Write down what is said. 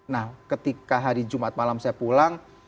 nah ketika hari jumat malam saya pulang